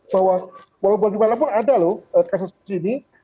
bahwa walaupun di malapur ada loh kasus ini